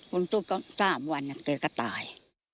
คนตุกก็สามวันเกิดก็ตาย